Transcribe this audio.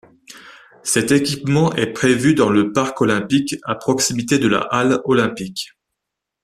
Cet équipement est prévu dans le parc olympique à proximité de la halle olympique.